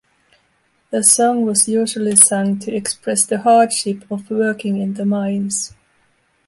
The song was usually sung to express the hardship of working in the mines.